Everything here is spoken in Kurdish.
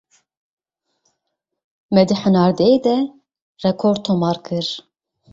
Me di hinardeyê de rekor tomar kir.